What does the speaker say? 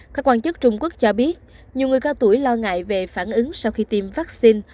các quan chức trung quốc cho biết nhiều người cao tuổi lo ngại về phản ứng sau khi tiêm vaccine